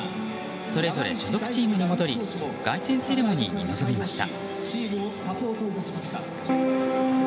それぞれ所属チームに戻り凱旋セレモニーに臨みました。